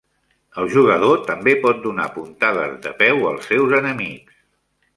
El jugador també pot donar puntades de peu als seus enemics.